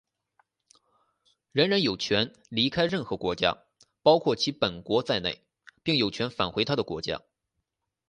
人人有权离开任何国家,包括其本国在内,并有权返回他的国家。